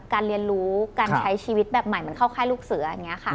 การเรียนรู้การใช้ชีวิตแบบใหม่เหมือนเข้าค่ายลูกเสือ